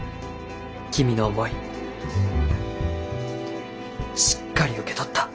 君の思いしっかり受け取った。